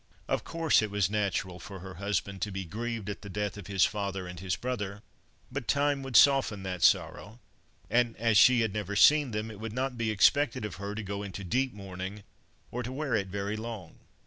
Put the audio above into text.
Of course it was natural for her husband to be grieved at the death of his father and his brother. But time would soften that sorrow, and as she had never seen them, it would not be expected of her to go into deep mourning or to wear it very long.